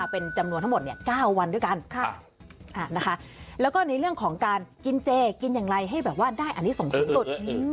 เป็นจำนวนทั้งหมด๙วันด้วยกันแล้วก็ในเรื่องของการกินเจกินอย่างไรให้แบบว่าได้อันนี้ส่งสูงสุด